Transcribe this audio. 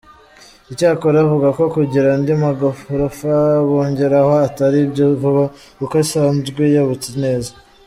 Icyakora avuga ko kugira andi magorofa bongeraho atari ibya vuba, kuko isanzwe yubatse neza.